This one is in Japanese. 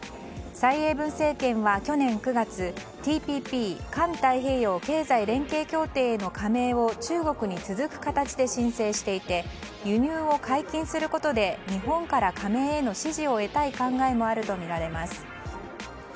蔡英文政権は去年９月ＴＰＰ・環太平洋経済連携協定への加盟を中国に続く形で申請していて輸入を解禁することで日本から加盟への支持を得たい考えもあるとみられます。